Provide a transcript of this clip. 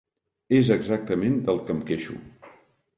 És exactament del que em queixo!